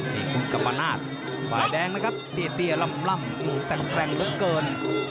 นี่คุณกรรมนาศฝ่ายแดงนะครับเตี้ยล่ำแต่งแกร่งเหลือเกิน